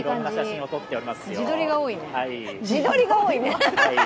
自撮りが多いね。